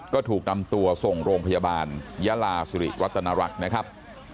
ก็ถูกนำตัวส่งโรงพยาบาลยาลาสิริรัตนรักษ์นะครับ